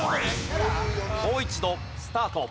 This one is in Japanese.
もう一度スタート。